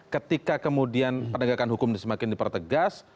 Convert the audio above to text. ketika kemudian penegakan hukum semakin dipertegas